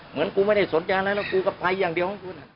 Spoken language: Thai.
เหมือนกูไม่ได้สนใจแล้วนะกูก็ไปอย่างเดียว